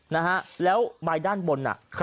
นะฮะแล้วบายด้านบนอ่ะ